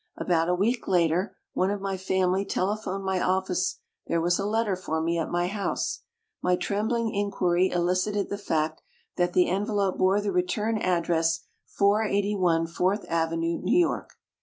About a week later, one of my family tele phoned my office there was a letter for me at my house. My trembling inquiry elicited the fact that the envelope bore the return ad dress, 481 Fourth Avenue, New York.